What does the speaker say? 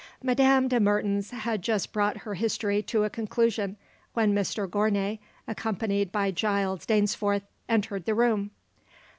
Madame de Mertens had just brought her history to a conclusion when Mr Gournay, accompanied by Giles Dainsforth, entered the room.